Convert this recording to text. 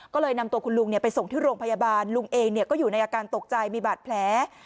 ก็เลยนำตัวคุณลุงไปส่งที่โรงพยาบาลลุงเองก็อยู่ในอาการตกใจมีบาดแผล